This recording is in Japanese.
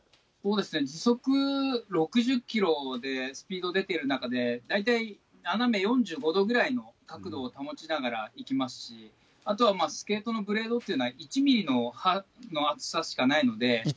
そうですね、時速６０キロでスピード出てる中で、大体斜め４５度ぐらいの角度を保ちながら行きますし、あとはスケートのブレードというのは、１ミリの刃の厚さしかないので。